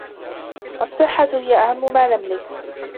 الصحة هي أهم ما نملك